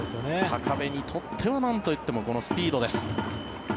高部にとってはなんと言ってもこのスピードです。